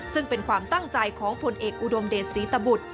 ซึ่งเป็นความตั้งใจของผลเอกอุดมเดชศรีตบุตร